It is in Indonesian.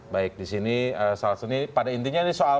baik disini salah satu ini pada intinya ini soal